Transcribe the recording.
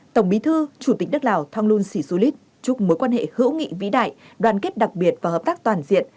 tổng bí thư chủ tịch đức lào thong lôn sĩ xu lít chúc mối quan hệ hữu nghị vĩ đại đoàn kết đặc biệt và hợp tác toàn diện